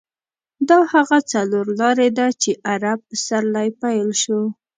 دا هغه څلور لارې ده چې عرب پسرلی پیل شو.